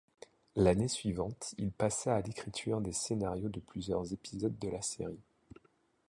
L'année suivante, il passa à l'écriture des scénarios de plusieurs épisodes de la série.